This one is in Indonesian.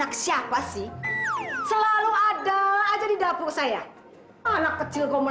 kenapa kalian dibawa ke kapal tatung